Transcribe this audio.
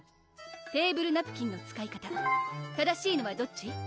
テーブルナプキンの使い方正しいのはどっち？